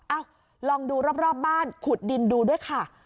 ลองดูรอบบ้านขุดดินดูด้วยค่ะ